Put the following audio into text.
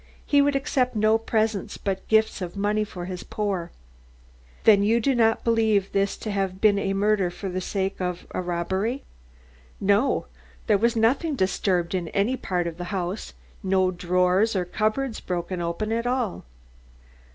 He would accept no presents but gifts of money for his poor." "Then you do not believe this to have been a murder for the sake of robbery?" "No. There was nothing disturbed in any part of the house, no drawers or cupboards broken open at all."